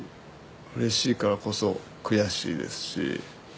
うれしいからこそ悔しいですし。